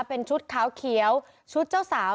เป็นชุดขาวเขียวชุดเจ้าสาว